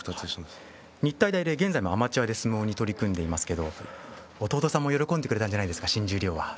日体大で現在もアマチュアで相撲に取り組んでいますが弟さんも新十両を喜んでくれたんじゃないですか？